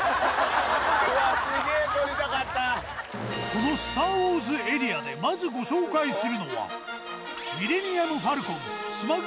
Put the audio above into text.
このスター・ウォーズエリアでまずうわぁスゴいな。